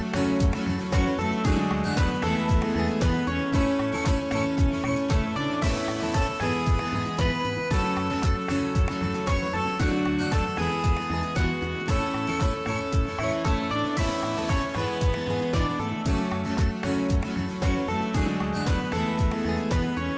สวัสดีครับพี่สิทธิ์มหัน